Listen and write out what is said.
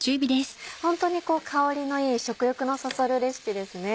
ホントにこう香りのいい食欲のそそるレシピですね。